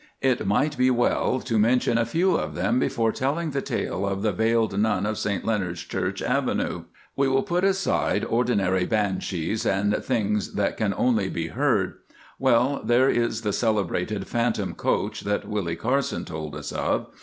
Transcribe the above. It might be well to mention a few of them before telling the tale of "The Veiled Nun of St Leonards Church Avenue." We will put aside ordinary banshees and things that can only be heard. Well, there is the celebrated Phantom Coach that Willie Carson told us of.